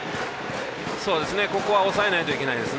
ここは抑えないといけないです。